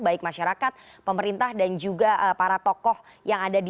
baik masyarakat pemerintah dan juga para tokoh yang ada di